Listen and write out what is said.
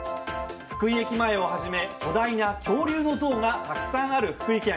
福井駅前をはじめ巨大な恐竜の像がたくさんある福井県。